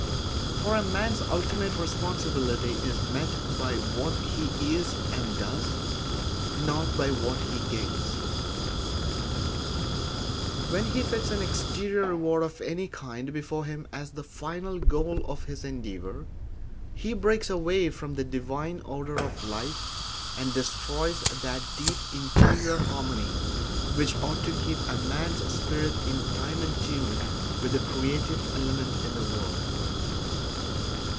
For a man's ultimate responsibility is met by what he is and does, not by what he gains. When he sets an exterior reward of any kind before him as the final goal of his endeavour, he breaks away from the divine order of life and destroys that deep interior harmony which ought to keep a man's spirit in time and tune with the creative element in the world.